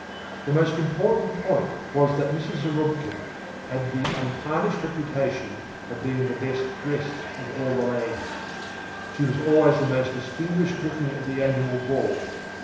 The most important point was that Mrs. Zarubkin had the untarnished reputation of being the best dressed of all the ladies. She was always the most distinguished looking at the annual ball.